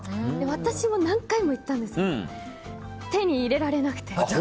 私も何回も行ったんですけど手に入れられなくて。